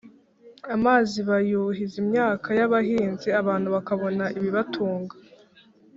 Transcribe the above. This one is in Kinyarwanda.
amazi bayuhiza imyaka y’abahinzi abantu bakabona ibibatunga.